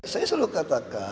saya selalu kata